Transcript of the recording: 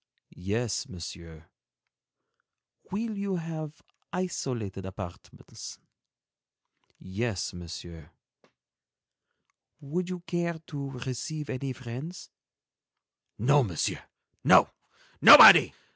"Yes, Monsieur." "Will you have isolated apartments?" "Yes, Monsieur." "Would you care to receive any friends?" "No, Monsieur, no, nobody.